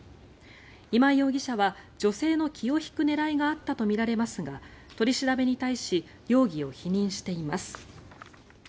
今井容疑者は、女性の気を引く狙いがあったとみられますが取り調べに対し容疑を否認しています。